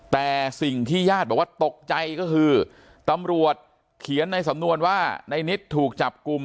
แต่สิ่งที่ญาติบอกว่าตกใจก็คือตำรวจเขียนในสำนวนว่าในนิดถูกจับกลุ่ม